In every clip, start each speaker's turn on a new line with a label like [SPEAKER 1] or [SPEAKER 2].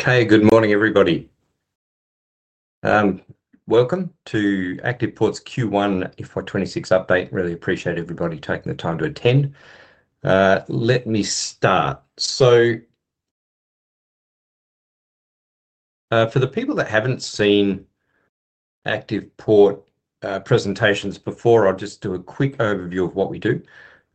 [SPEAKER 1] Okay, good morning, everybody. Welcome to ActivePort's Q1 FY 2026 update. Really appreciate everybody taking the time to attend. Let me start. For the people that haven't seen ActivePort presentations before, I'll just do a quick overview of what we do.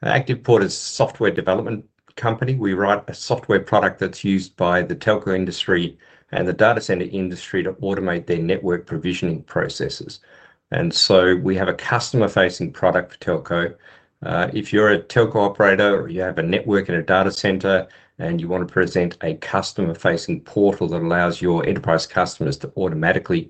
[SPEAKER 1] ActivePort is a software development company. We write a software product that's used by the telco industry and the data center industry to automate their network provisioning processes. We have a customer-facing product for telco. If you're a telco operator or you have a network in a data center and you want to present a customer-facing portal that allows your enterprise customers to automatically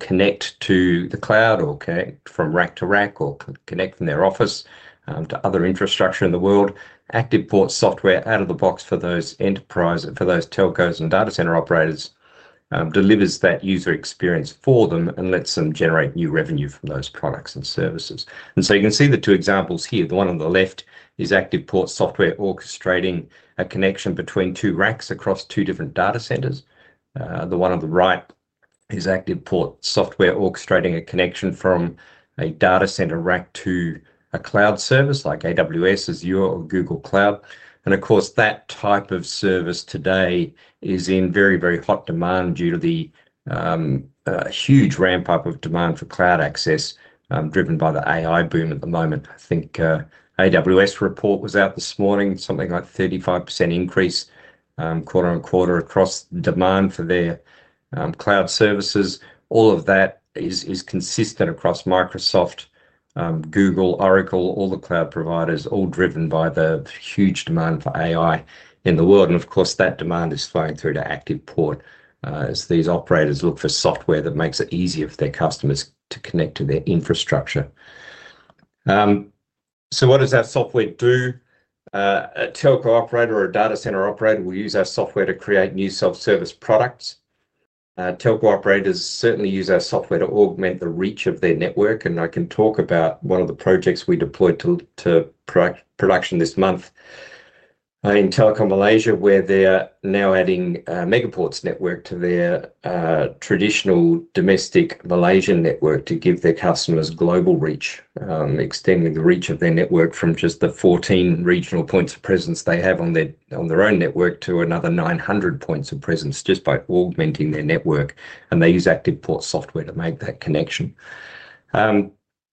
[SPEAKER 1] connect to the cloud or connect from rack to rack or connect from their office to other infrastructure in the world, ActivePort software out of the box for those enterprise, for those telcos and data center operators, delivers that user experience for them and lets them generate new revenue from those products and services. You can see the two examples here. The one on the left is ActivePort software orchestrating a connection between two racks across two different data centers. The one on the right is ActivePort software orchestrating a connection from a data center rack to a cloud service like AWS, Azure, or Google Cloud. Of course, that type of service today is in very, very hot demand due to the huge ramp-up of demand for cloud access driven by the AI boom at the moment. I think AWS report was out this morning, something like a 35% increase, quarter-on-quarter, across demand for their cloud services. All of that is consistent across Microsoft, Google, Oracle, all the cloud providers, all driven by the huge demand for AI in the world. That demand is flowing through to ActivePort as these operators look for software that makes it easier for their customers to connect to their infrastructure. What does our software do? A telco operator or a data center operator will use our software to create new self-service products. Telco operators certainly use our software to augment the reach of their network. I can talk about one of the projects we deployed to production this month in Telekom Malaysia, where they're now adding Megaport's network to their. Traditional domestic Malaysian network to give their customers global reach, extending the reach of their network from just the 14 regional points of presence they have on their own network to another 900 points of presence just by augmenting their network. They use ActivePort software to make that connection.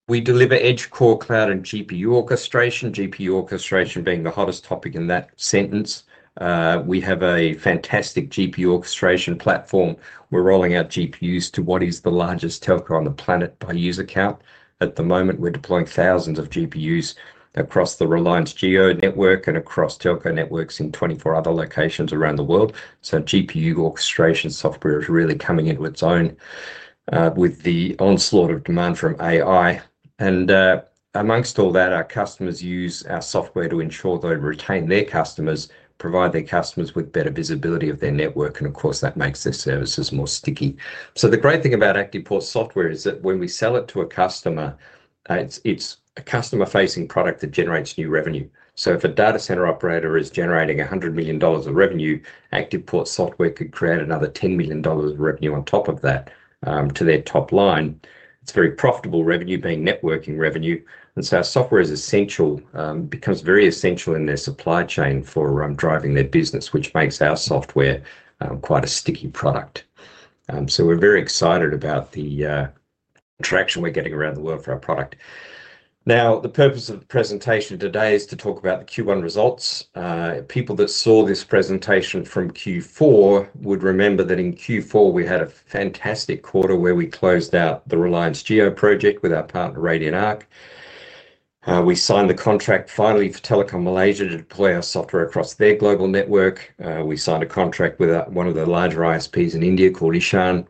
[SPEAKER 1] We deliver edge core cloud and GPU orchestration, GPU orchestration being the hottest topic in that sentence. We have a fantastic GPU orchestration platform. We're rolling out GPUs to what is the largest telco on the planet by user count. At the moment, we're deploying thousands of GPUs across the Reliance Jio network and across telco networks in 24 other locations around the world. GPU orchestration software is really coming into its own with the onslaught of demand from AI. Amongst all that, our customers use our software to ensure they retain their customers, provide their customers with better visibility of their network, and of course, that makes their services more sticky. The great thing about ActivePort software is that when we sell it to a customer, it's a customer-facing product that generates new revenue. If a data center operator is generating 100 million dollars of revenue, ActivePort software could create another 10 million dollars of revenue on top of that to their top line. It's very profitable revenue, being networking revenue. Our software becomes very essential in their supply chain for driving their business, which makes our software quite a sticky product. We're very excited about the traction we're getting around the world for our product. Now, the purpose of the presentation today is to talk about the Q1 results. People that saw this presentation from Q4 would remember that in Q4, we had a fantastic quarter where we closed out the Reliance Jio project with our partner, Radian Arc. We signed the contract finally for Telekom Malaysia to deploy our software across their global network. We signed a contract with one of the larger ISPs in India called Ishan.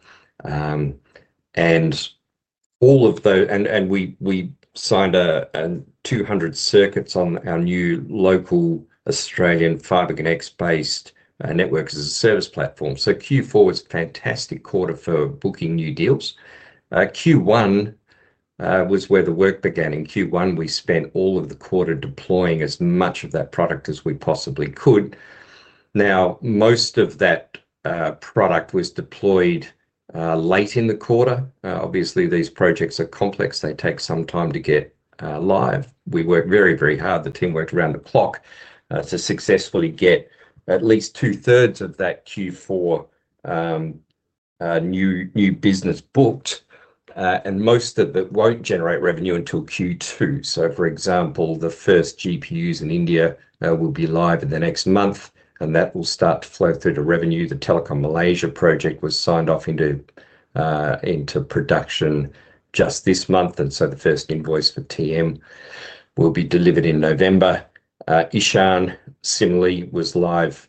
[SPEAKER 1] We signed 200 circuits on our new local Australian FibreconX-based network-as-a-service platform. Q4 was a fantastic quarter for booking new deals. Q1 was where the work began. In Q1, we spent all of the quarter deploying as much of that product as we possibly could. Most of that product was deployed late in the quarter. Obviously, these projects are complex. They take some time to get live. We worked very, very hard. The team worked around the clock to successfully get at least two-thirds of that Q4 new business booked. Most of it won't generate revenue until Q2. For example, the first GPUs in India will be live in the next month, and that will start to flow through to revenue. The Telekom Malaysia project was signed off into production just this month, and the first invoice for Telekom Malaysia will be delivered in November. Ishan, similarly, was live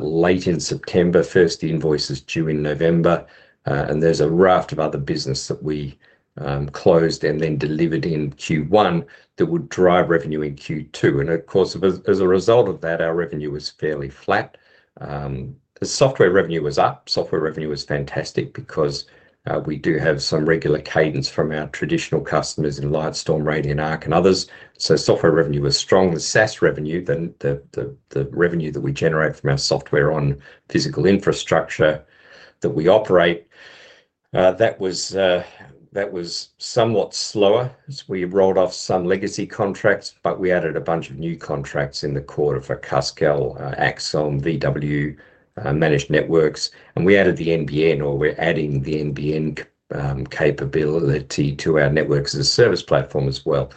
[SPEAKER 1] late in September. First invoice is due in November. There's a raft of other business that we closed and then delivered in Q1 that would drive revenue in Q2. As a result of that, our revenue was fairly flat. The software revenue was up. Software revenue was fantastic because we do have some regular cadence from our traditional customers in Lightstorm, Radian Arc, and others. Software revenue was strong. The SaaS revenue, the revenue that we generate from our software on physical infrastructure that we operate, was somewhat slower as we rolled off some legacy contracts, but we added a bunch of new contracts in the quarter for Cascale, Axon, [VW Management Works]. We added the nbn, or we're adding the nbn capability to our network-as-a-service platform as well.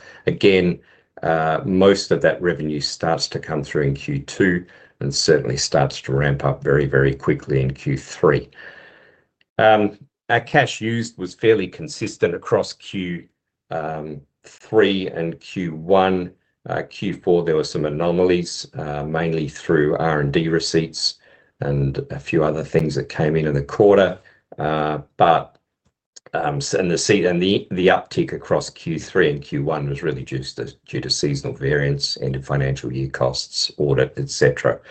[SPEAKER 1] Most of that revenue starts to come through in Q2 and certainly starts to ramp up very, very quickly in Q3. Our cash used was fairly consistent across Q3 and Q1. Q4, there were some anomalies, mainly through R&D receipts and a few other things that came into the quarter. The uptick across Q3 and Q1 was really just due to seasonal variance and financial year costs, audit, etc.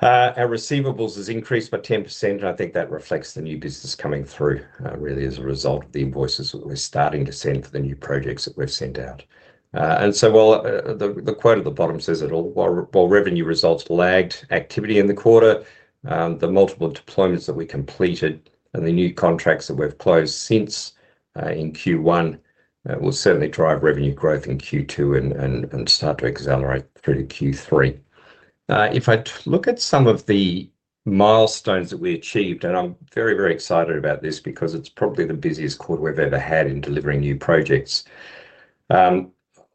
[SPEAKER 1] Our receivables have increased by 10%, and I think that reflects the new business coming through, really, as a result of the invoices that we're starting to send for the new projects that we've sent out. The quote at the bottom says it all, while revenue results lagged activity in the quarter, the multiple deployments that we completed and the new contracts that we've closed since in Q1 will certainly drive revenue growth in Q2 and start to accelerate through to Q3. If I look at some of the milestones that we achieved, and I'm very, very excited about this because it's probably the busiest quarter we've ever had in delivering new projects.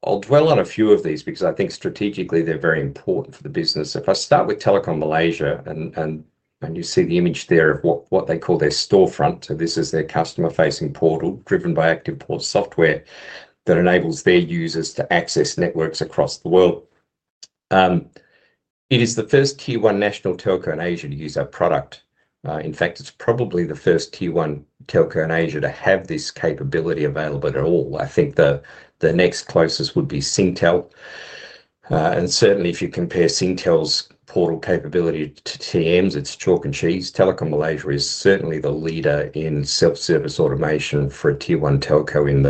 [SPEAKER 1] I'll dwell on a few of these because I think strategically they're very important for the business. If I start with Telekom Malaysia, and you see the image there of what they call their storefront, this is their customer-facing portal driven by ActivePort software that enables their users to access networks across the world. It is the first Tier 1 national telco in Asia to use our product. In fact, it's probably the first Tier 1 telco in Asia to have this capability available at all. I think the next closest would be Syntel. Certainly, if you compare Syntel's portal capability to TM's, it's chalk and cheese. Telekom Malaysia is certainly the leader in self-service automation for a Tier 1 telco in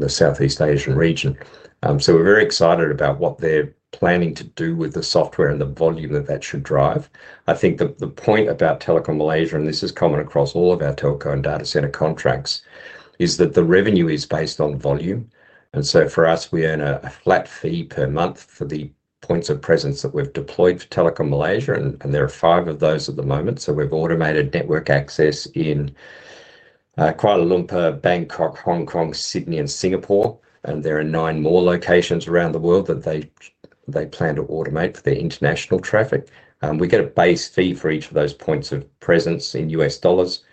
[SPEAKER 1] the Southeast Asian region. We're very excited about what they're planning to do with the software and the volume that should drive. The point about Telekom Malaysia, and this is common across all of our telco and data center contracts, is that the revenue is based on volume. For us, we earn a flat fee per month for the points of presence that we've deployed for Telekom Malaysia, and there are five of those at the moment. We've automated network access in Kuala Lumpur, Bangkok, Hong Kong, Sydney, and Singapore. There are nine more locations around the world that they plan to automate for their international traffic. We get a base fee for each of those points of presence in U.S. dollars,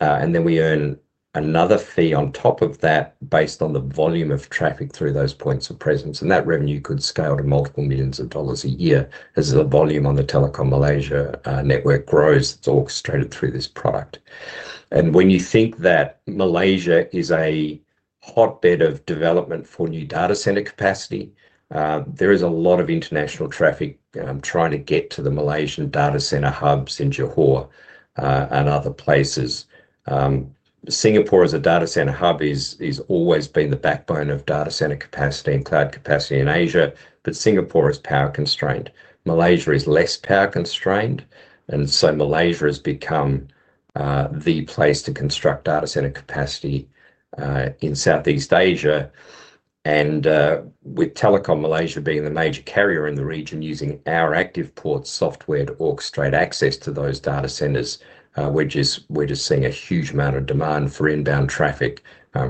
[SPEAKER 1] and then we earn another fee on top of that based on the volume of traffic through those points of presence. That revenue could scale to multiple millions of dollars a year as the volume on the Telekom Malaysia network grows that's orchestrated through this product. When you think that Malaysia is a hotbed of development for new data center capacity, there is a lot of international traffic trying to get to the Malaysian data center hubs in Johor and other places. Singapore, as a data center hub, has always been the backbone of data center capacity and cloud capacity in Asia, but Singapore is power constrained. Malaysia is less power constrained, and Malaysia has become the place to construct data center capacity in Southeast Asia. With Telekom Malaysia being the major carrier in the region using our ActivePort software to orchestrate access to those data centers, we're just seeing a huge amount of demand for inbound traffic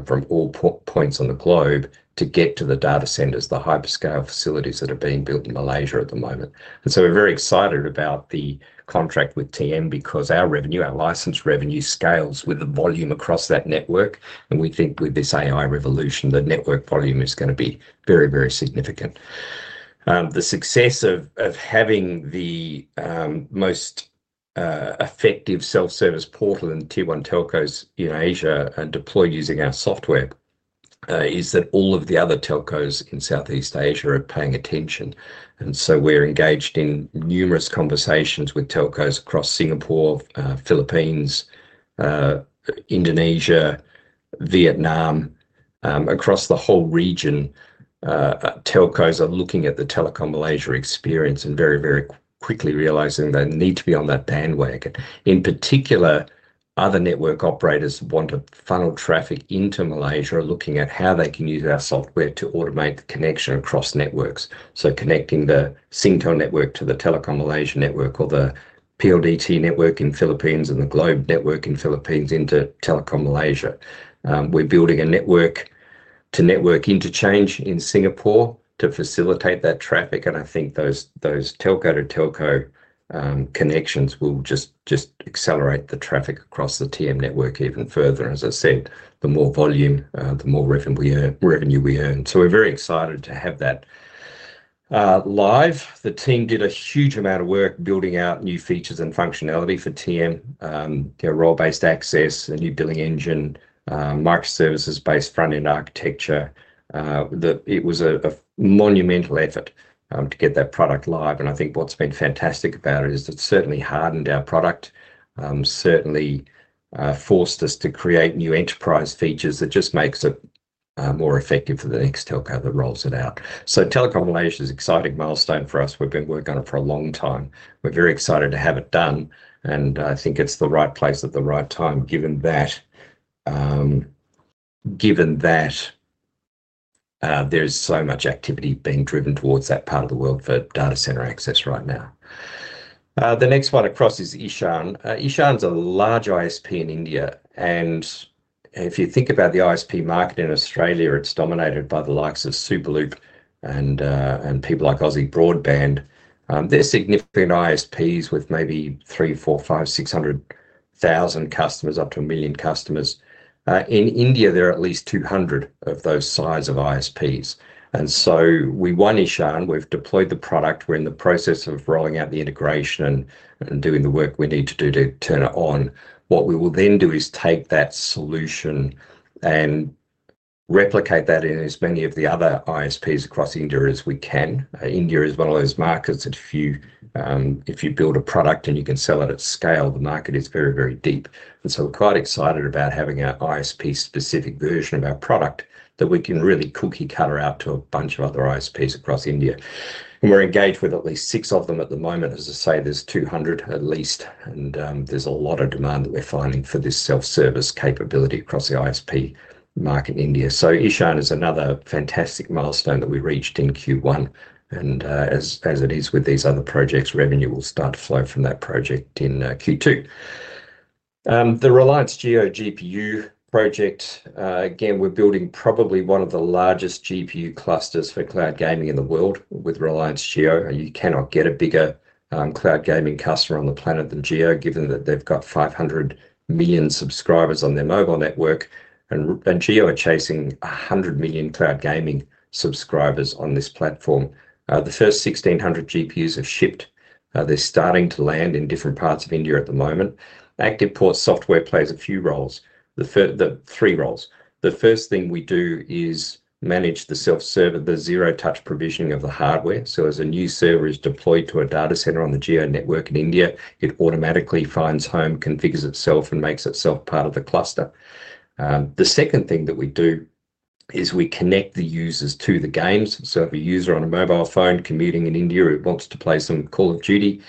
[SPEAKER 1] from all points on the globe to get to the data centers, the hyperscale facilities that are being built in Malaysia at the moment. We're very excited about the contract with Telekom Malaysia because our license revenue scales with the volume across that network. We think with this AI revolution, the network volume is going to be very, very significant. The success of having the most effective self-service portal in Tier 1 telcos in Asia deployed using our software is that all of the other telcos in Southeast Asia are paying attention. We're engaged in numerous conversations with telcos across Singapore, Philippines, Indonesia, and Vietnam. Across the whole region, telcos are looking at the Telekom Malaysia experience and very quickly realizing they need to be on that bandwagon. In particular, other network operators want to funnel traffic into Malaysia, looking at how they can use our software to automate the connection across networks. Connecting the Syntel network to the Telekom Malaysia network or the PLDT network in Philippines and the Globe network in Philippines into Telekom Malaysia. We're building a network-to-network interchange in Singapore to facilitate that traffic. I think those telco-to-telco connections will just accelerate the traffic across the Telekom Malaysia network even further. As I said, the more volume, the more revenue we earn. We're very excited to have that live. The team did a huge amount of work building out new features and functionality for Telekom Malaysia: their role-based access, a new billing engine, and microservices-based front-end architecture. It was a monumental effort to get that product live. What's been fantastic about it is it's certainly hardened our product and forced us to create new enterprise features that just make it more effective for the next telco that rolls it out. Telekom Malaysia is an exciting milestone for us. We've been working on it for a long time. We're very excited to have it done. I think it's the right place at the right time, given that there's so much activity being driven towards that part of the world for data center access right now. The next one across is Ishan. Ishan's a large ISP in India. If you think about the ISP market in Australia, it's dominated by the likes of Superloop and people like Aussie Broadband. They're significant ISPs with maybe 300,000, 400,000, 500,000, 600,000 customers, up to a million customers. In India, there are at least 200 of those size of ISPs. We won Ishan. We've deployed the product. We're in the process of rolling out the integration and doing the work we need to do to turn it on. What we will then do is take that solution and replicate that in as many of the other ISPs across India as we can. India is one of those markets that if you build a product and you can sell it at scale, the market is very, very deep. We're quite excited about having an ISP-specific version of our product that we can really cookie-cutter out to a bunch of other ISPs across India. We're engaged with at least six of them at the moment. As I say, there's 200 at least, and there's a lot of demand that we're finding for this self-service capability across the ISP market in India. Ishaan is another fantastic milestone that we reached in Q1. As it is with these other projects, revenue will start to flow from that project in Q2. The Reliance Jio GPU project, again, we're building probably one of the largest GPU clusters for cloud gaming in the world with Reliance Jio. You cannot get a bigger cloud gaming customer on the planet than Jio, given that they've got 500 million subscribers on their mobile network. Jio are chasing 100 million cloud gaming subscribers on this platform. The first 1,600 GPUs have shipped. They're starting to land in different parts of India at the moment. ActivePort software plays a few roles. Three roles. The first thing we do is manage the self-server, the zero-touch provisioning of the hardware. As a new server is deployed to a data center on the Jio network in India, it automatically finds home, configures itself, and makes itself part of the cluster. The second thing that we do is we connect the users to the games. If a user on a mobile phone commuting in India wants to play some Call of Duty,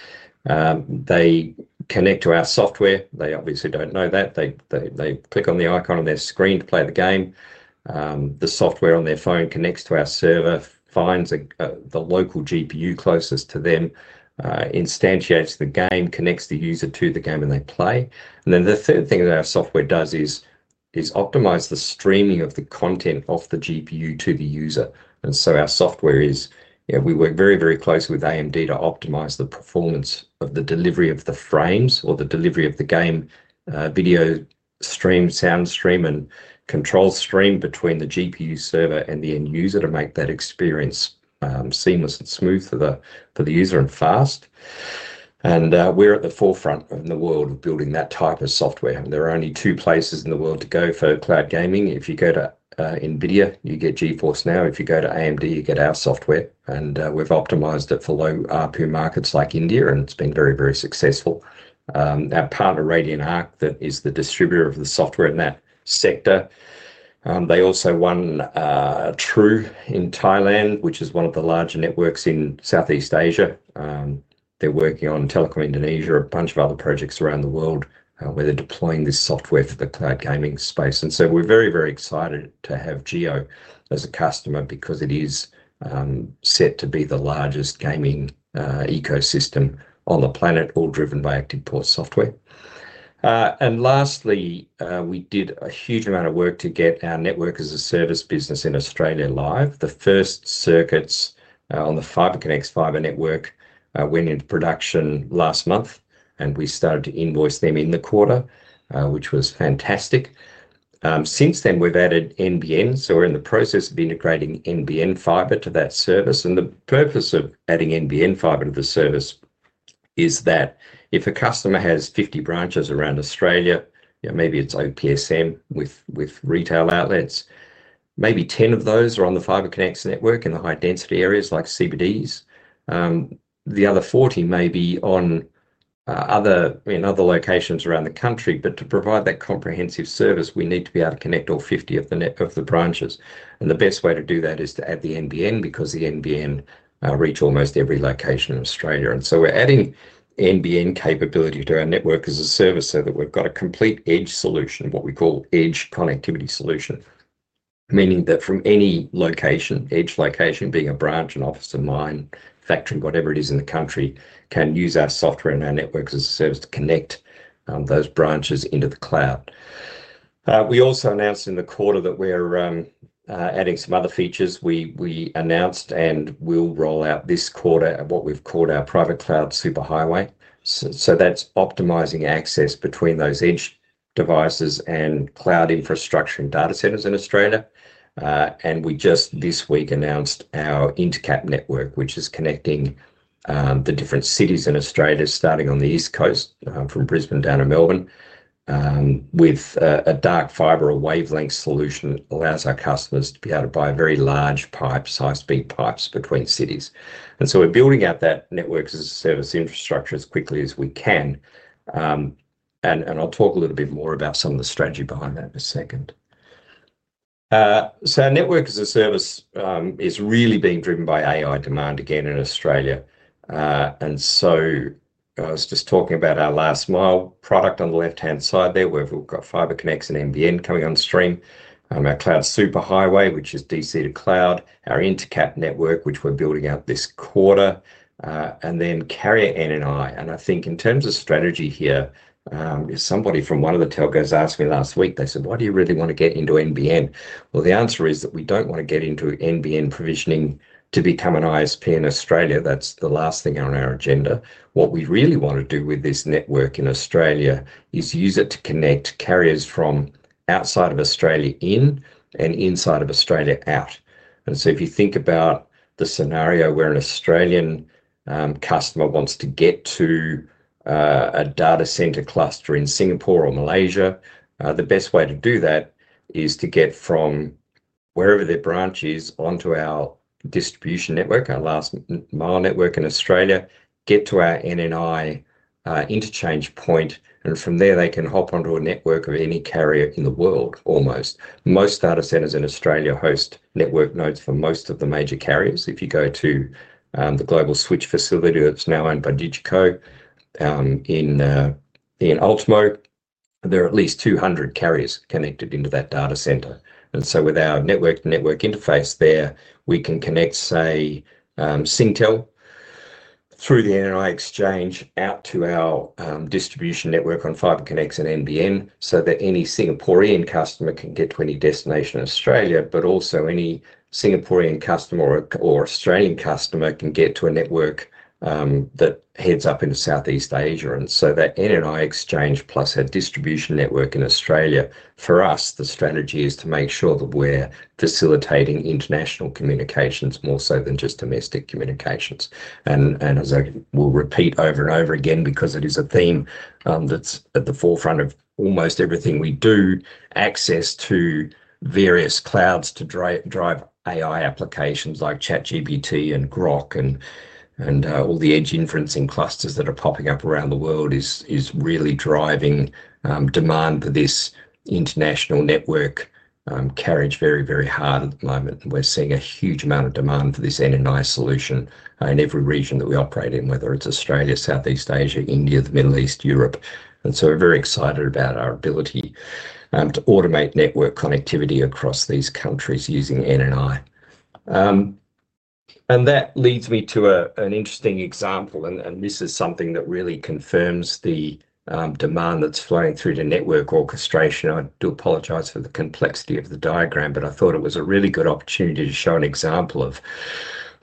[SPEAKER 1] they connect to our software. They obviously don't know that. They click on the icon on their screen to play the game. The software on their phone connects to our server, finds the local GPU closest to them, instantiates the game, connects the user to the game, and they play. The third thing that our software does is optimize the streaming of the content off the GPU to the user. Our software is, we work very, very closely with AMD to optimize the performance of the delivery of the frames or the delivery of the game, video stream, sound stream, and control stream between the GPU server and the end user to make that experience seamless and smooth for the user and fast. We're at the forefront in the world of building that type of software. There are only two places in the world to go for cloud gaming. If you go to NVIDIA, you get GeForce Now. If you go to AMD, you get our software. We've optimized it for low ARPU markets like India, and it's been very, very successful. Our partner, Radian Arc, is the distributor of the software in that sector. They also won True in Thailand, which is one of the larger networks in Southeast Asia. They're working on Telkom Indonesia and a bunch of other projects around the world where they're deploying this software for the cloud gaming space. We're very, very excited to have Reliance Jio as a customer because it is set to be the largest gaming ecosystem on the planet, all driven by ActivePort software. Lastly, we did a huge amount of work to get our network-as-a-service business in Australia live. The first circuits on the FibreconX fiber network went into production last month, and we started to invoice them in the quarter, which was fantastic. Since then, we've added nbn. We're in the process of integrating fiber nbn to that service. The purpose of adding nbnfiber to the service is that if a customer has 50 branches around Australia, maybe it's OPSM with retail outlets, maybe 10 of those are on the FibreconX network in the high-density areas like CBDs. The other 40 may be in other locations around the country. To provide that comprehensive service, we need to be able to connect all 50 of the branches. The best way to do that is to add the because the nbn reaches almost every location in Australia. We're adding nbn capability to our network-as-a-service so that we've got a complete edge solution, what we call edge connectivity solution, meaning that from any location, edge location being a branch, an office, a mine, a factory, whatever it is in the country, can use our software and our network-as-a-service to connect those branches into the cloud. We also announced in the quarter that we're adding some other features. We announced and will roll out this quarter what we've called our private cloud superhighway. That's optimizing access between those edge devices and cloud infrastructure and data centers in Australia. We just this week announced our intercap network, which is connecting the different cities in Australia, starting on the East Coast from Brisbane down to Melbourne. With a dark fiber, a wavelength solution that allows our customers to be able to buy very large pipes, high-speed pipes between cities, we're building out that network-as-a-service infrastructure as quickly as we can. I'll talk a little bit more about some of the strategy behind that in a second. Network-as-a-service is really being driven by AI demand again in Australia. I was just talking about our last mile product on the left-hand side there where we've got FibreconX and nbn coming on stream, our private cloud superhighway, which is DC to cloud, our intercap network, which we're building out this quarter, and then carrier NNI. I think in terms of strategy here, somebody from one of the telcos asked me last week, they said, "Why do you really want to get into nbn?" The answer is that we don't want to get into nbn provisioning to become an ISP in Australia. That's the last thing on our agenda. What we really want to do with this network in Australia is use it to connect carriers from outside of Australia in and inside of Australia out. If you think about the scenario where an Australian customer wants to get to a data center cluster in Singapore or Malaysia, the best way to do that is to get from wherever their branch is onto our distribution network, our last mile network in Australia, get to our NNI interchange point, and from there, they can hop onto a network of any carrier in the world, almost. Most data centers in Australia host network nodes for most of the major carriers. If you go to the Global Switch facility that's now owned by DigiCo in Ultimo, there are at least 200 carriers connected into that data center. With our network interface there, we can connect, say, Syntel, through the NNI exchange out to our distribution network on Fibreconx and nbn so that any Singaporean customer can get to any destination in Australia, but also any Singaporean customer or Australian customer can get to a network that heads up into Southeast Asia. That NNI exchange plus a distribution network in Australia, for us, the strategy is to make sure that we're facilitating international communications more so than just domestic communications. As I will repeat over and over again, because it is a theme that's at the forefront of almost everything we do, access to various clouds to drive AI applications like ChatGPT and Grok. All the edge inferencing clusters that are popping up around the world is really driving demand for this international network carriage very, very hard at the moment. We're seeing a huge amount of demand for this NNI solution in every region that we operate in, whether it's Australia, Southeast Asia, India, the Middle East, or Europe. We're very excited about our ability to automate network connectivity across these countries using NNI. That leads me to an interesting example. This is something that really confirms the demand that's flowing through the network orchestration. I do apologize for the complexity of the diagram, but I thought it was a really good opportunity to show an example of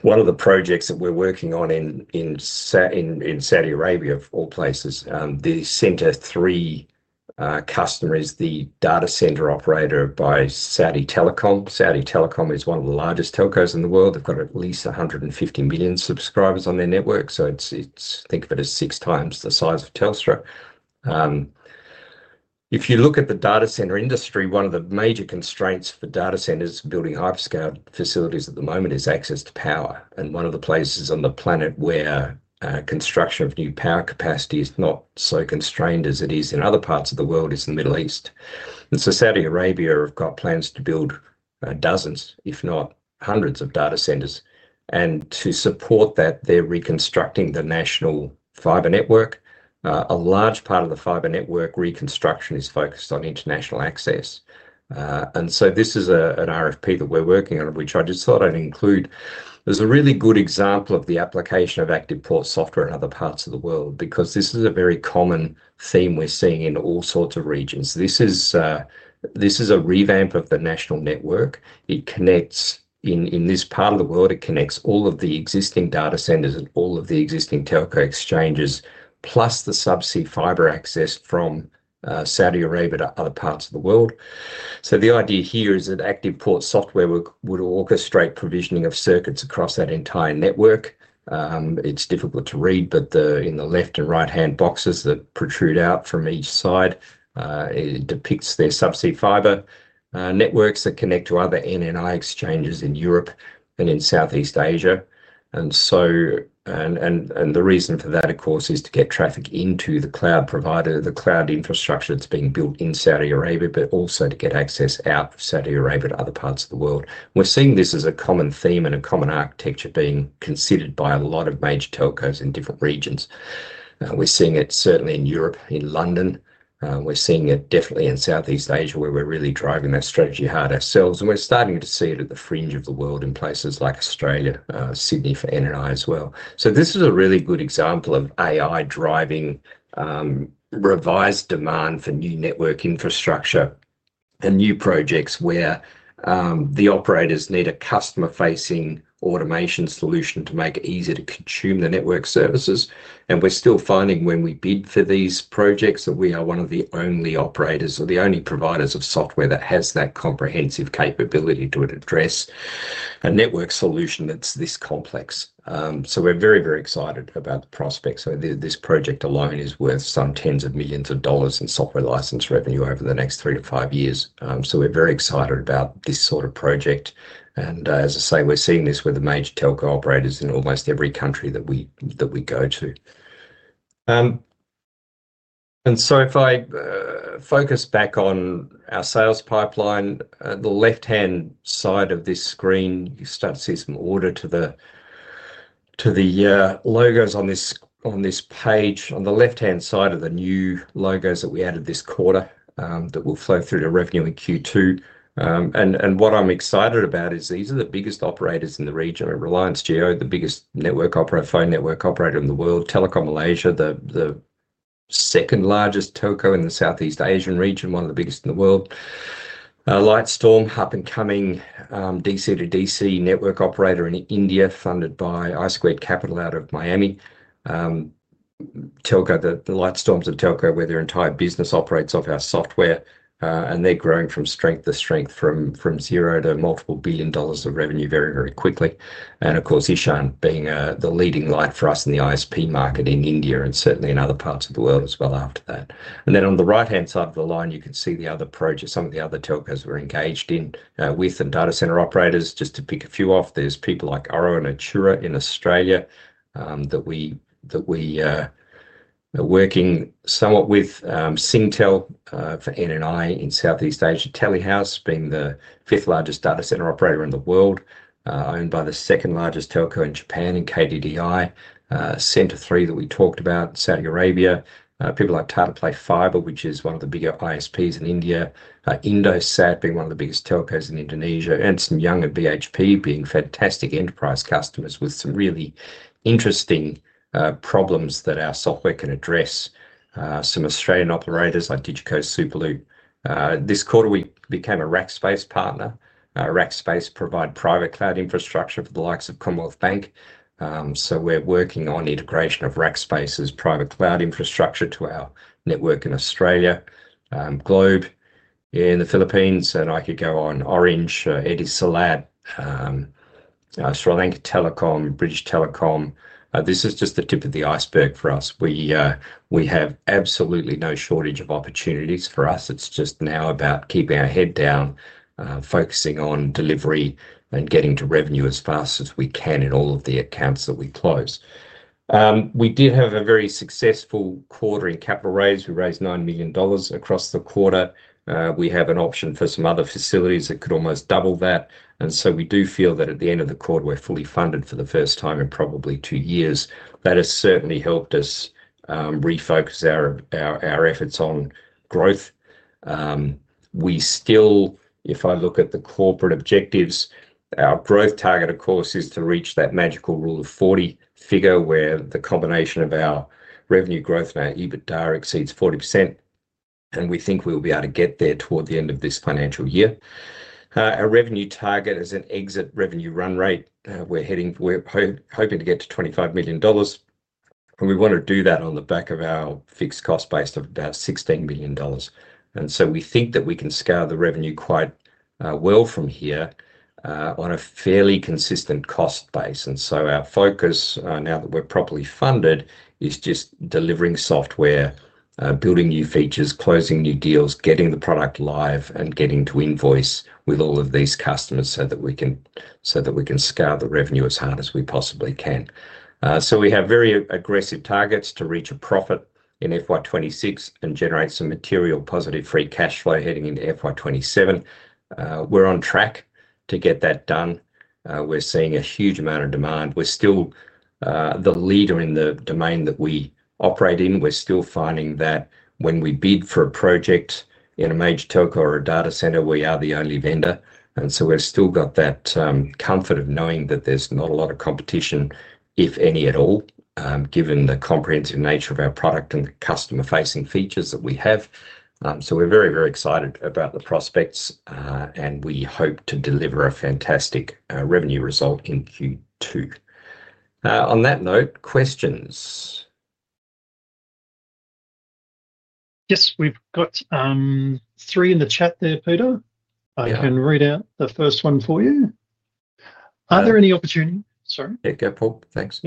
[SPEAKER 1] one of the projects that we're working on in Saudi Arabia, of all places. They sent us three customers, the data center operator by Saudi Telecom. Saudi Telecom is one of the largest telcos in the world. They've got at least 150 million subscribers on their network, so think of it as six times the size of Telstra. If you look at the data center industry, one of the major constraints for data centers building hyperscale facilities at the moment is access to power. One of the places on the planet where construction of new power capacity is not so constrained as it is in other parts of the world is the Middle East. Saudi Arabia have got plans to build dozens, if not hundreds, of data centers. To support that, they're reconstructing the national fiber network. A large part of the fiber network reconstruction is focused on international access. This is an RFP that we're working on, which I just thought I'd include. There's a really good example of the application of ActivePort software in other parts of the world because this is a very common theme we're seeing in all sorts of regions. This is a revamp of the national network in this part of the world. It connects all of the existing data centers and all of the existing telco exchanges, plus the subsea fiber access from Saudi Arabia to other parts of the world. The idea here is that ActivePort software would orchestrate provisioning of circuits across that entire network. It's difficult to read, but in the left and right-hand boxes that protrude out from each side, it depicts their subsea fiber networks that connect to other NNI exchanges in Europe and in Southeast Asia. The reason for that, of course, is to get traffic into the cloud provider, the cloud infrastructure that's being built in Saudi Arabia, but also to get access out of Saudi Arabia to other parts of the world. We're seeing this as a common theme and a common architecture being considered by a lot of major telcos in different regions. We're seeing it certainly in Europe, in London. We're seeing it definitely in Southeast Asia, where we're really driving that strategy hard ourselves. We're starting to see it at the fringe of the world in places like Australia, Sydney for NNI as well. This is a really good example of AI driving revised demand for new network infrastructure and new projects where the operators need a customer-facing automation solution to make it easier to consume the network services. We're still finding when we bid for these projects that we are one of the only operators or the only providers of software that has that comprehensive capability to address a network solution that's this complex. We're very, very excited about the prospect. This project alone is worth some tens of millions of dollars in software license revenue over the next three to five years. We're very excited about this sort of project. As I say, we're seeing this with the major telco operators in almost every country that we go to. If I focus back on our sales pipeline, the left-hand side of this screen, you start to see some order to the logos on this page. On the left-hand side are the new logos that we added this quarter that will flow through to revenue in Q2. What I'm excited about is these are the biggest operators in the region. Reliance Jio, the biggest network operator, phone network operator in the world. Telekom Malaysia, the second largest telco in the Southeast Asian region, one of the biggest in the world. Lightstorm, up-and-coming DC to DC network operator in India, funded by I Squared Capital out of Miami. The Lightstorm of telco, where their entire business operates off our software, and they're growing from strength to strength from zero to multiple billion dollars of revenue very, very quickly. Of course, Ishan being the leading light for us in the ISP market in India and certainly in other parts of the world as well after that. On the right-hand side of the line, you can see some of the other telcos we're engaged in with and data center operators. Just to pick a few off, there's people like [Aurora] and [Achoora] in Australia that we are working somewhat with. Syntel for NNI in Southeast Asia, Telehouse being the fifth largest data center operator in the world, owned by the second largest telco in Japan, KDDI. center3 that we talked about in Saudi Arabia. People like Tata Play Fiber, which is one of the bigger ISPs in India. Indosat being one of the biggest telcos in Indonesia. Some younger BHP being fantastic enterprise customers with some really interesting problems that our software can address. Some Australian operators like DigiCo, Superloop. This quarter, we became a Rackspace partner. Rackspace provides private cloud infrastructure for the likes of Commonwealth Bank. We're working on integration of Rackspace's private cloud infrastructure to our network in Australia. Globe in the Philippines. I could go on. Orange, Edisolab, Sri Lanka Telecom, British Telecom. This is just the tip of the iceberg for us. We have absolutely no shortage of opportunities for us. It's just now about keeping our head down, focusing on delivery, and getting to revenue as fast as we can in all of the accounts that we close. We did have a very successful quarter in capital raise. We raised 9 million dollars across the quarter. We have an option for some other facilities that could almost double that. We do feel that at the end of the quarter, we're fully funded for the first time in probably two years. That has certainly helped us refocus our efforts on growth. If I look at the corporate objectives, our growth target, of course, is to reach that magical rule of 40 figure where the combination of our revenue growth and our EBITDA exceeds 40%. We think we'll be able to get there toward the end of this financial year. Our revenue target is an exit revenue run rate. We're hoping to get to 25 million dollars. We want to do that on the back of our fixed cost base of about 16 million dollars. We think that we can scale the revenue quite well from here on a fairly consistent cost base. Our focus, now that we're properly funded, is just delivering software, building new features, closing new deals, getting the product live, and getting to invoice with all of these customers so that we can scale the revenue as hard as we possibly can. We have very aggressive targets to reach a profit in FY 2026 and generate some material positive free cash flow heading into FY 2027. We're on track to get that done. We're seeing a huge amount of demand. We're still the leader in the domain that we operate in. We're still finding that when we bid for a project in a major telco or a data center, we are the only vendor. We've still got that comfort of knowing that there's not a lot of competition, if any at all, given the comprehensive nature of our product and customer-facing features that we have. We're very, very excited about the prospects, and we hope to deliver a fantastic revenue result in Q2. On that note, questions?
[SPEAKER 2] Yes, we've got three in the chat there, Peter. I can read out the first one for you. Are there any opportunities? Sorry?
[SPEAKER 1] Yeah, go for it.
[SPEAKER 2] Thanks.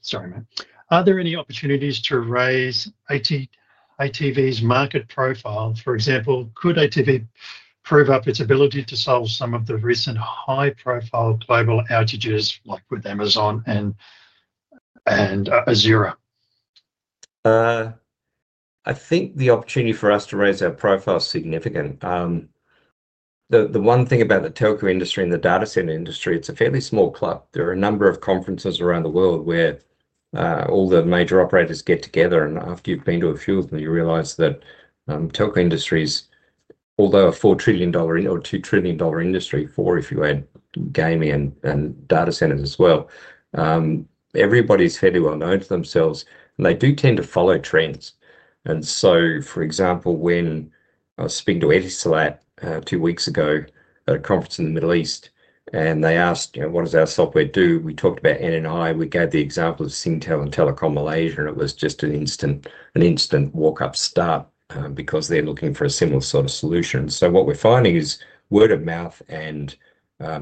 [SPEAKER 2] Sorry, mate. Are there any opportunities to raise ATV's market profile? For example, could ATV prove up its ability to solve some of the recent high-profile global outages like with Amazon and Azure?
[SPEAKER 1] I think the opportunity for us to raise our profile is significant. The one thing about the telco industry and the data center industry, it's a fairly small club. There are a number of conferences around the world where all the major operators get together. After you've been to a few of them, you realize that telco industries, although a 4 trillion dollar or 2 trillion dollar industry, or if you add gaming and data centers as well, everybody's fairly well known to themselves. They do tend to follow trends. For example, when I spoke to Edisolab two weeks ago at a conference in the Middle East, and they asked, "What does our software do?" we talked about NNI. We gave the example of Syntel and Telekom Malaysia, and it was just an instant walk-up start because they're looking for a similar sort of solution. What we're finding is word of mouth and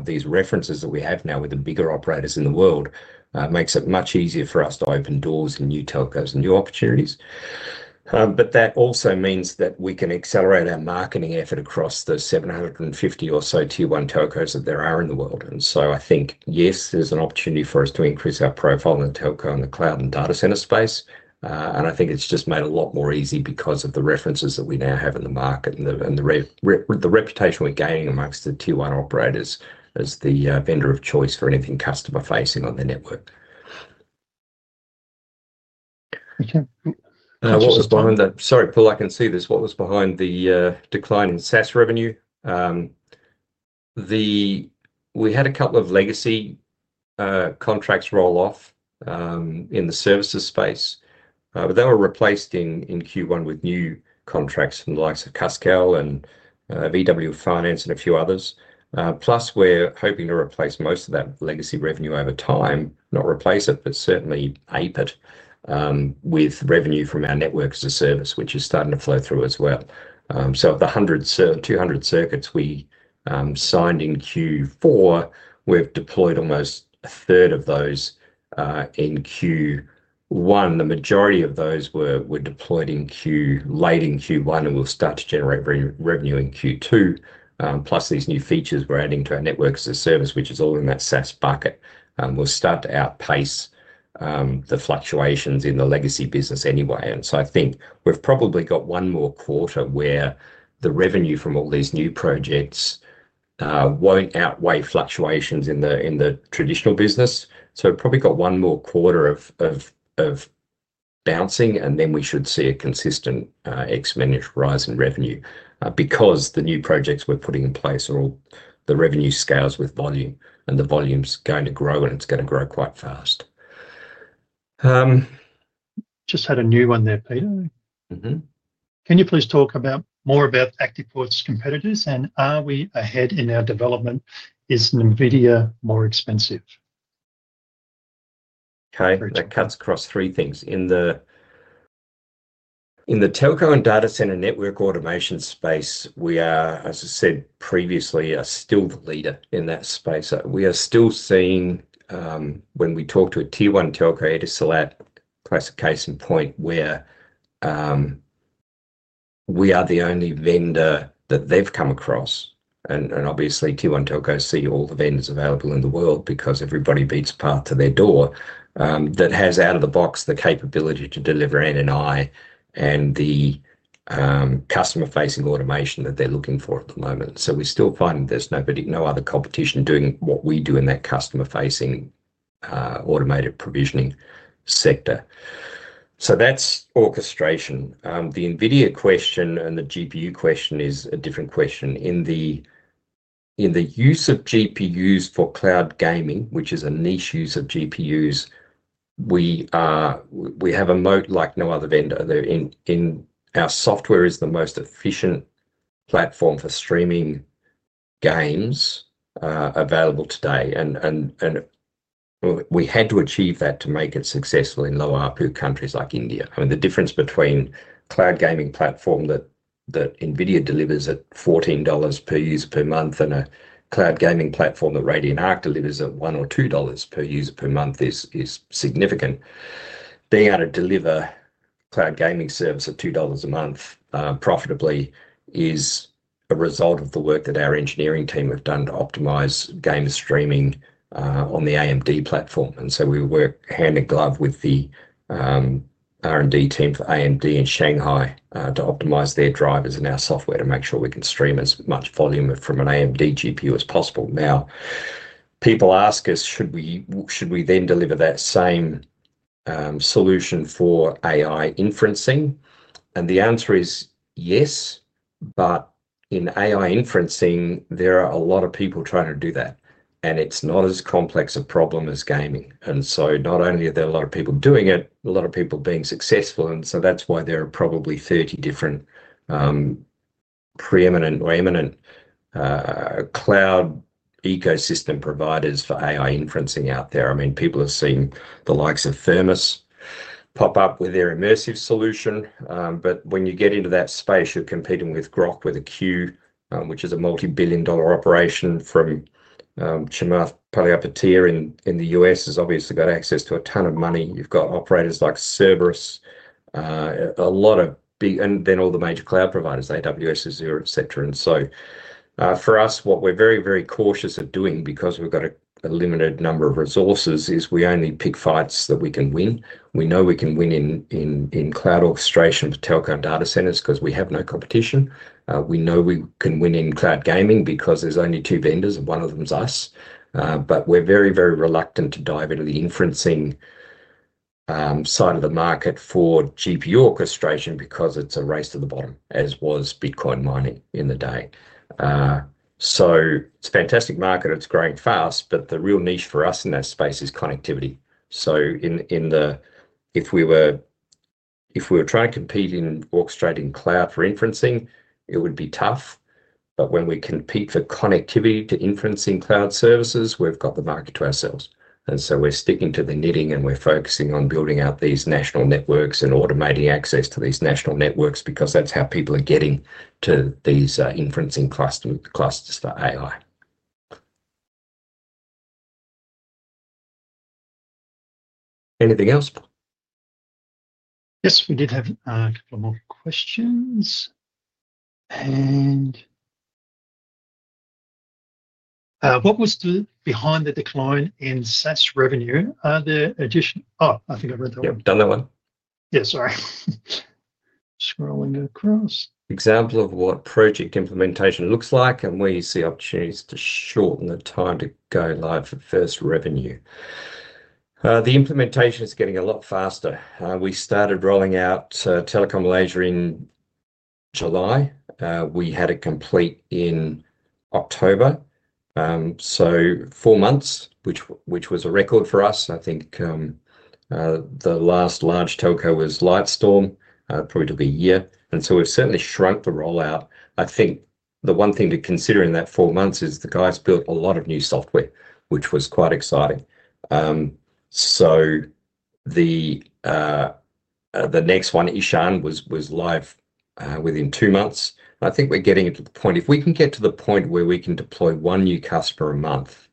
[SPEAKER 1] these references that we have now with the bigger operators in the world makes it much easier for us to open doors in new telcos and new opportunities. That also means that we can accelerate our marketing effort across the 750 or so Tier 1 telcos that there are in the world. I think, yes, there's an opportunity for us to increase our profile in the telco and the cloud and data center space. I think it's just made a lot more easy because of the references that we now have in the market and the reputation we're gaining amongst the Tier 1 operators as the vendor of choice for anything customer-facing on the network. What was behind the—sorry, [Paul], I can see this—what was behind the decline in SaaS revenue? We had a couple of legacy. Contracts roll off in the services space, but they were replaced in Q1 with new contracts from the likes of Cascale and VW Finance and a few others. Plus, we're hoping to replace most of that legacy revenue over time, not replace it, but certainly ape it with revenue from our network-as-a-service, which is starting to flow through as well. Of the 200 circuits we signed in Q4, we've deployed almost a third of those in Q1. The majority of those were deployed late in Q1 and will start to generate revenue in Q2. Plus, these new features we're adding to our network-as-a-service, which is all in that SaaS bucket, will start to outpace the fluctuations in the legacy business anyway. I think we've probably got one more quarter where the revenue from all these new projects won't outweigh fluctuations in the traditional business. We've probably got one more quarter of bouncing, and then we should see a consistent exponential rise in revenue because the new projects we're putting in place are all the revenue scales with volume, and the volume's going to grow, and it's going to grow quite fast.
[SPEAKER 2] Just had a new one there, Peter. Can you please talk more about ActivePort's competitors? And are we ahead in our development? Is NVIDIA more expensive?
[SPEAKER 1] That cuts across three things. In the telco and data center network automation space, we are, as I said previously, still the leader in that space. We are still seeing, when we talk to a Tier 1 telco, Edisolab, close to case and point where we are the only vendor that they've come across. Obviously, Tier 1 telcos see all the vendors available in the world because everybody beats part to their door that has out-of-the-box the capability to deliver NNI and the customer-facing automation that they're looking for at the moment. We still find there's no other competition doing what we do in that customer-facing automated provisioning sector. That's orchestration. The NVIDIA question and the GPU question is a different question. In the use of GPUs for cloud gaming, which is a niche use of GPUs, we have a moat like no other vendor. Our software is the most efficient platform for streaming games available today. We had to achieve that to make it successful in low ARPU countries like India. I mean, the difference between a cloud gaming platform that NVIDIA delivers at $14 per user per month and a cloud gaming platform that Radian Arc delivers at 1 or 2 dollars per user per month is significant. Being able to deliver cloud gaming service at 2 dollars a month profitably is a result of the work that our Engineering team have done to optimize gamer streaming on the AMD platforms. We work hand in glove with the R&D team for AMD in Shanghai to optimize their drivers and our software to make sure we can stream as much volume from an AMD GPU as possible. People ask us, should we then deliver that same solution for AI inferencing? The answer is yes, but in AI inferencing, there are a lot of people trying to do that. It's not as complex a problem as gaming. Not only are there a lot of people doing it, a lot of people are being successful. That's why there are probably 30 different preeminent or eminent cloud ecosystem providers for AI inferencing out there. People have seen the likes of Thermos pop up with their immersive solution. When you get into that space, you're competing with Groq, which is a multi-billion dollar operation from Chamath Palihapitiya in the U.S., who has obviously got access to a ton of money. You've got operators like Cerberus, a lot of big, and then all the major cloud providers, AWS, Azure, etc. For us, what we're very, very cautious of doing because we've got a limited number of resources is we only pick fights that we can win. We know we can win in cloud orchestration for telco and data centers because we have no competition. We know we can win in cloud gaming because there's only two vendors, and one of them is us. We're very, very reluctant to dive into the inferencing side of the market for GPU orchestration because it's a race to the bottom, as was Bitcoin mining in the day. It's a fantastic market. It's growing fast, but the real niche for us in that space is connectivity. If we were trying to compete in orchestrating cloud for inferencing, it would be tough. When we compete for connectivity to inferencing cloud services, we've got the market to ourselves. We're sticking to the knitting, and we're focusing on building out these national networks and automating access to these national networks because that's how people are getting to these inferencing clusters for AI. Anything else?
[SPEAKER 2] Yes, we did have a couple more questions. What was behind the decline in SaaS revenue? Are there additional—oh, I think I read that one.
[SPEAKER 1] Yep, done that one.
[SPEAKER 2] Sorry. Scrolling across.
[SPEAKER 1] Example of what project implementation looks like and where you see opportunities to shorten the time to go live for first revenue. The implementation is getting a lot faster. We started rolling out Telekom Malaysia in July. We had it complete in October. Four months, which was a record for us. I think the last large telco was Lightstorm. Probably took a year. We've certainly shrunk the rollout. The one thing to consider in that four months is the guys built a lot of new software, which was quite exciting. The next one, Ishan, was live within two months. I think we're getting to the point—if we can get to the point where we can deploy one new customer a month,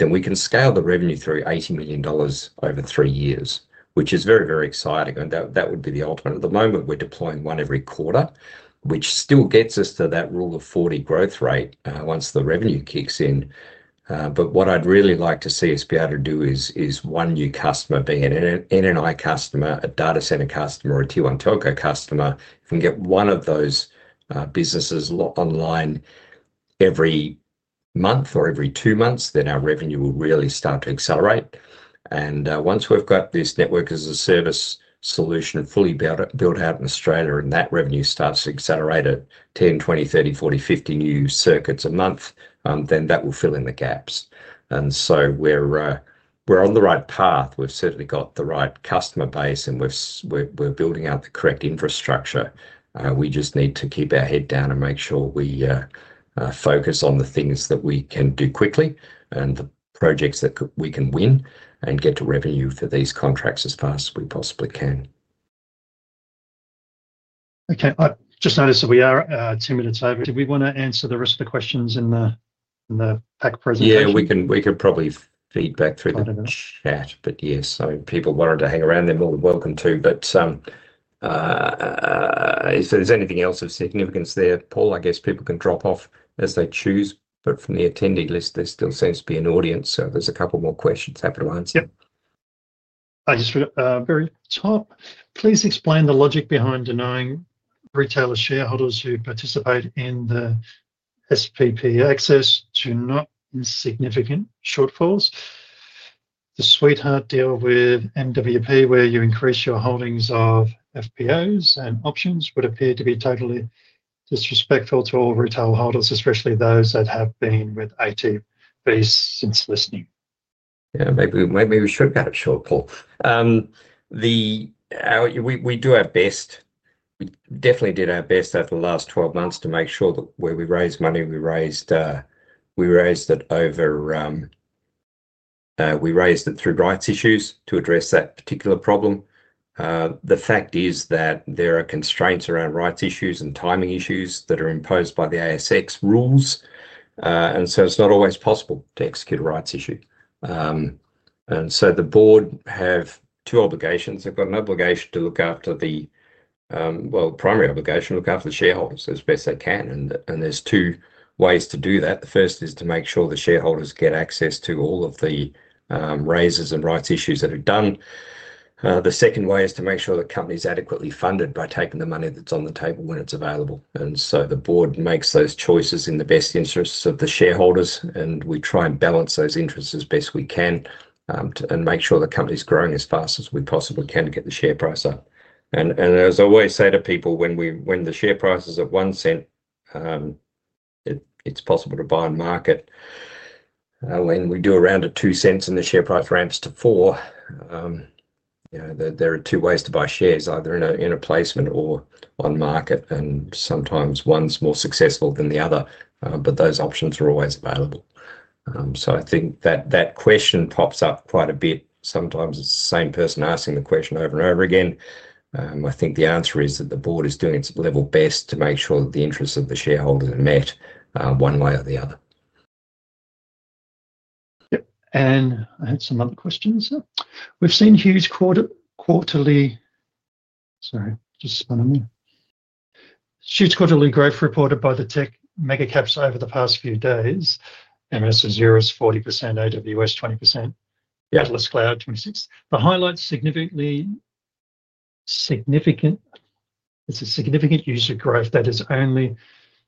[SPEAKER 1] we can scale the revenue through 80 million dollars over three years, which is very, very exciting. That would be the ultimate. At the moment, we're deploying one every quarter, which still gets us to that rule of 40 growth rate once the revenue kicks in. What I'd really like to see us be able to do is one new customer, being an NNI customer, a data center customer, or a Tier 1 telco customer. If we can get one of those businesses online every month or every two months, our revenue will really start to accelerate. Once we've got this network-as-a-service solution fully built out in Australia and that revenue starts to accelerate at 10, 20, 30, 40, 50 new circuits a month, that will fill in the gaps. We're on the right path. We've certainly got the right customer base, and we're building out the correct infrastructure. We just need to keep our head down and make sure we focus on the things that we can do quickly and the projects that we can win and get to revenue for these contracts as fast as we possibly can.
[SPEAKER 2] Okay, I just noticed that we are 10 minutes over. Did we want to answer the rest of the questions in the packed presentation?
[SPEAKER 1] Yeah, we can probably feed back through the chat. People wanted to hang around, they're more than welcome to. If there's anything else of significance there, [Paul], I guess people can drop off as they choose. From the attendee list, there still seems to be an audience, so there's a couple more questions happy to answer.
[SPEAKER 2] Yep. I just want to very top. Please explain the logic behind denying retailers' shareholders who participate in the. SPP access to not insignificant shortfalls. The sweetheart deal with MWP, where you increase your holdings of FPOs and options, would appear to be totally disrespectful to all retail holders, especially those that have been with Active-based since listening.
[SPEAKER 1] Maybe we should have got a short, [Paul]. We do our best. We definitely did our best over the last 12 months to make sure that where we raised money, we raised it over. We raised it through rights issues to address that particular problem. The fact is that there are constraints around rights issues and timing issues that are imposed by the ASX rules. It is not always possible to execute a rights issue. The board has two obligations. They have an obligation to look after the primary obligation, look after the shareholders as best they can. There are two ways to do that. The first is to make sure the shareholders get access to all of the raises and rights issues that are done. The second way is to make sure the company is adequately funded by taking the money that's on the table when it's available. The board makes those choices in the best interests of the shareholders, and we try and balance those interests as best we can and make sure the company is growing as fast as we possibly can to get the share price up. As I always say to people, when the share price is at 0.01, it's possible to buy and market. When we do a round at 0.02 and the share price ramps to 0.04, there are two ways to buy shares, either in a placement or on market, and sometimes one is more successful than the other, but those options are always available. I think that question pops up quite a bit. Sometimes it's the same person asking the question over and over again. I think the answer is that the board is doing its level best to make sure that the interests of the shareholders are met one way or the other.
[SPEAKER 2] I had some other questions. We've seen huge quarterly— Sorry, just one more. Huge quarterly growth reported by the tech megacaps over the past few days. MS Azure is 40%, AWS 20%, Atlas Cloud 26%. The highlights significantly. It's a significant user growth that is only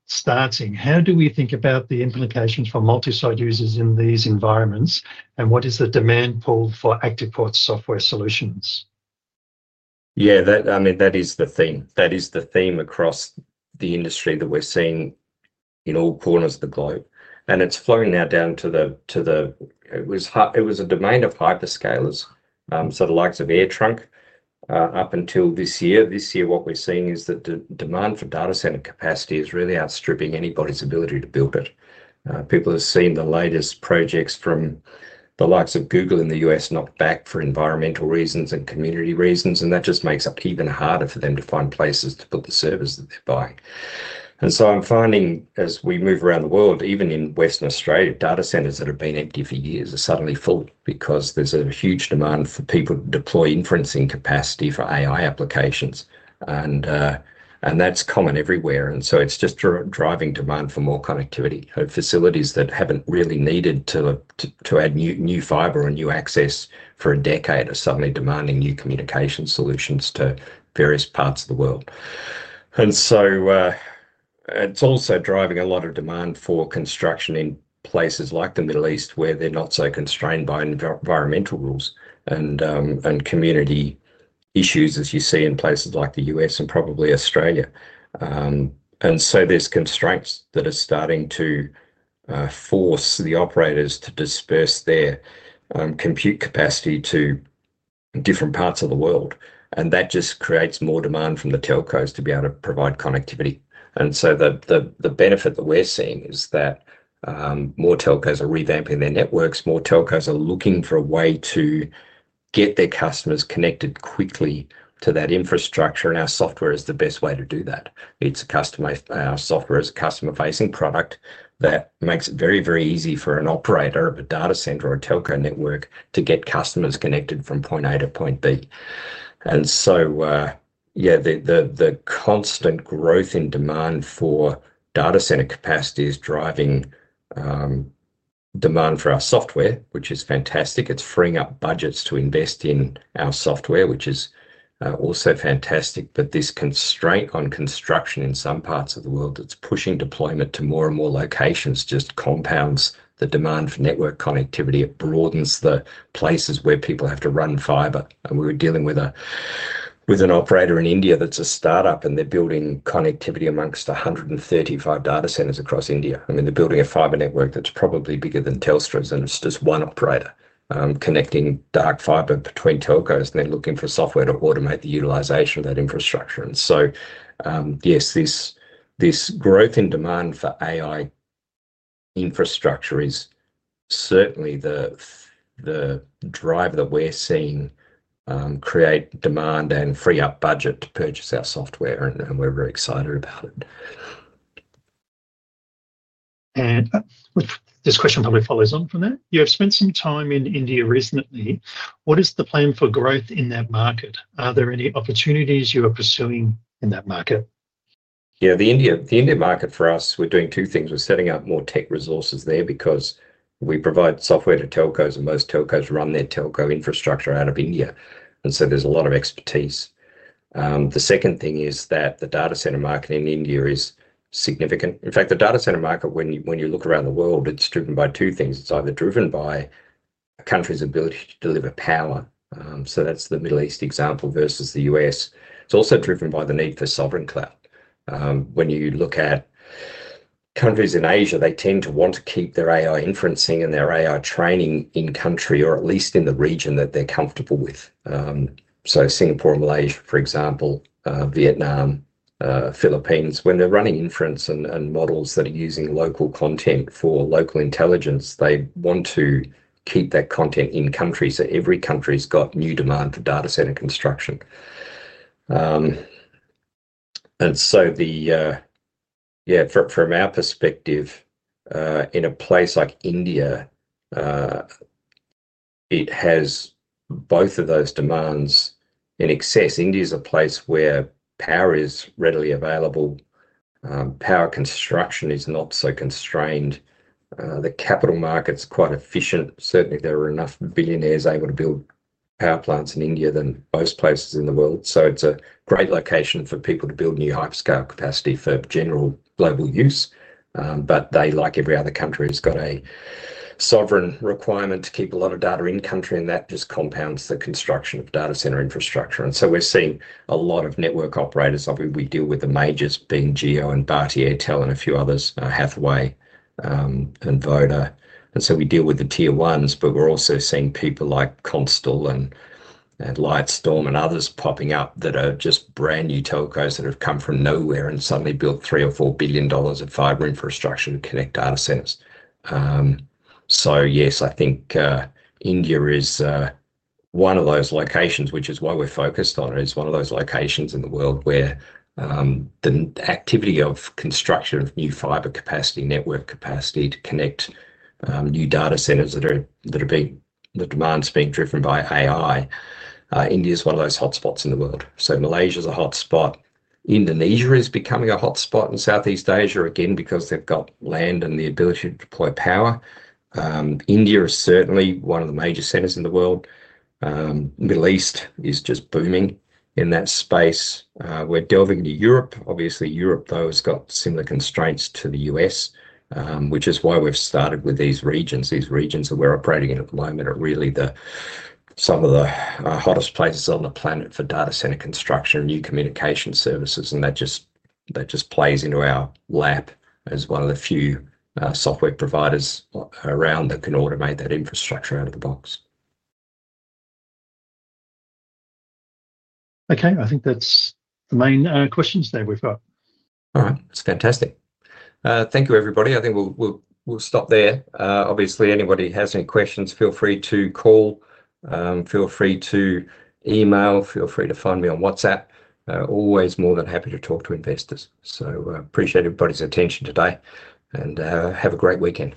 [SPEAKER 2] starting. How do we think about the implications for multi-site users in these environments, and what is the demand pool for ActivePort software solutions?
[SPEAKER 1] That is the theme. That is the theme across the industry that we're seeing in all corners of the globe. It's flowing now down to the domain of hyperscalers, so the likes of AirTrunk, up until this year. This year, what we're seeing is that the demand for data center capacity is really outstripping anybody's ability to build it. People have seen the latest projects from the likes of Google in the U.S. knocked back for environmental reasons and community reasons, and that just makes it even harder for them to find places to put the servers that they're buying. I'm finding, as we move around the world, even in Western Australia, data centers that have been empty for years are suddenly full because there's a huge demand for people to deploy inferencing capacity for AI applications. That's common everywhere. It's just driving demand for more connectivity. Facilities that haven't really needed to add new fiber and new access for a decade are suddenly demanding new communication solutions to various parts of the world. It's also driving a lot of demand for construction in places like the Middle East where they're not so constrained by environmental rules and community issues, as you see in places like the U.S. and probably Australia. There are constraints that are starting to force the operators to disperse their compute capacity to different parts of the world. That just creates more demand from the telcos to be able to provide connectivity. The benefit that we're seeing is that more telcos are revamping their networks. More telcos are looking for a way to get their customers connected quickly to that infrastructure, and our software is the best way to do that. Our software is a customer-facing product that makes it very, very easy for an operator of a data center or a telco network to get customers connected from point A to point B. The constant growth in demand for data center capacity is driving demand for our software, which is fantastic. It's freeing up budgets to invest in our software, which is also fantastic. This constraint on construction in some parts of the world that's pushing deployment to more and more locations just compounds the demand for network connectivity. It broadens the places where people have to run fiber. We were dealing with an operator in India that's a startup, and they're building connectivity amongst 135 data centers across India. I mean, they're building a fiber network that's probably bigger than Telstra's, and it's just one operator connecting dark fiber between telcos, and they're looking for software to automate the utilization of that infrastructure. Yes, this growth in demand for AI infrastructure is certainly the driver that we're seeing create demand and free up budget to purchase our software, and we're very excited about it.
[SPEAKER 2] This question probably follows on from that. You have spent some time in India recently. What is the plan for growth in that market? Are there any opportunities you are pursuing in that market?
[SPEAKER 1] Yeah, the India market for us, we're doing two things. We're setting up more tech resources there because we provide software to telcos, and most telcos run their telco infrastructure out of India, and so there's a lot of expertise. The second thing is that the data center market in India is significant. In fact, the data center market, when you look around the world, it's driven by two things. It's either driven by a country's ability to deliver power, so that's the Middle East example versus the U.S. It's also driven by the need for sovereign cloud. When you look at countries in Asia, they tend to want to keep their AI inferencing and their AI training in-country, or at least in the region that they're comfortable with. Singapore and Malaysia, for example, Vietnam, Philippines, when they're running inference and models that are using local content for local intelligence, they want to keep that content in-country. Every country's got new demand for data center construction. From our perspective, in a place like India, it has both of those demands in excess. India is a place where power is readily available. Power construction is not so constrained. The capital market's quite efficient. Certainly, there are enough billionaires able to build power plants in India than most places in the world. It's a great location for people to build new hyperscale capacity for general global use. They, like every other country, have got a sovereign requirement to keep a lot of data in-country, and that just compounds the construction of data center infrastructure. We're seeing a lot of network operators. We deal with the majors, being Jio and Bharti Airtel, and a few others, Hathway and Voda. We deal with the Tier 1 operators, but we're also seeing people like Constl and Lightstorm and others popping up that are just brand new telcos that have come from nowhere and suddenly built 3 or 4 billion dollars of fiber infrastructure to connect data centers. Yes, I think India is one of those locations, which is why we're focused on it. It is one of those locations in the world where the activity of construction of new fiber capacity, network capacity to connect new data centers is being driven by AI. India is one of those hotspots in the world. Malaysia is a hotspot. Indonesia is becoming a hotspot in Southeast Asia, again, because they've got land and the ability to deploy power. India is certainly one of the major centers in the world. The Middle East is just booming in that space. We're delving into Europe. Europe, though, has got similar constraints to the U.S., which is why we've started with these regions. These regions that we're operating in at the moment are really some of the hottest places on the planet for data center construction and new communication services. That just plays into our lap as one of the few software providers around that can automate that infrastructure out of the box.
[SPEAKER 2] I think that's the main questions there we've got.
[SPEAKER 1] All right, that's fantastic. Thank you, everybody. I think we'll stop there. Obviously, anybody has any questions, feel free to call. Feel free to email, feel free to find me on WhatsApp. Always more than happy to talk to investors. Appreciate everybody's attention today, and have a great weekend.